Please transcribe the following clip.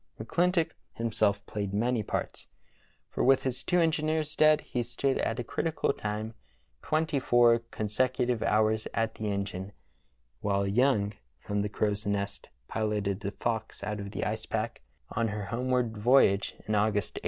McClintock himself played many parts, for with his two engineers dead he stood at a critical time twenty four consecutive hours at the engine, while Young from the crow's nest piloted the Fox out of the ice pack on her homeward voyage, in August, 1859.